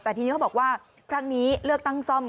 แต่ทีนี้เขาบอกว่าครั้งนี้เลือกตั้งซ่อม